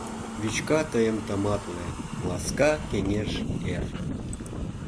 Вӱчка тыйым тыматле, ласка кеҥеж эр.